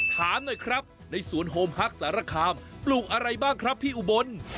ถามหน่อยครับในสวนโฮมฮักสารคามปลูกอะไรบ้างครับพี่อุบล